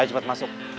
ayo cepet masuk